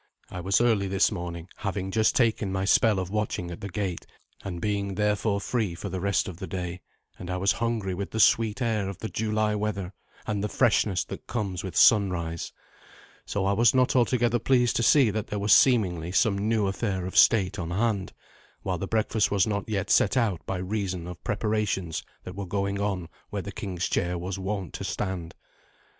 I was early this morning, having just taken my spell of watching at the gate, and being, therefore, free for the rest of the day, and I was hungry with the sweet air of the July weather and the freshness that comes with sunrise. So I was not altogether pleased to see that there was seemingly some new affair of state on hand, while the breakfast was not yet set out by reason of preparations that were going on where the king's chair was wont to stand.